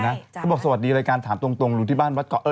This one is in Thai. เขาบอกสวัสดีรายการถามตรงรู้ที่บ้านวัดเกาะ